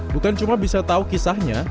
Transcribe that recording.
bukan cuma bisa tahu kisahnya